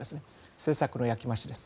政策の焼き回しです。